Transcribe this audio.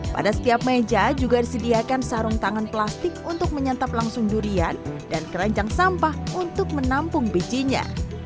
pada setiap meja juga disediakan sarung tangan plastik untuk menyantap langsung durian dan keranjang sampah untuk menampung bijinya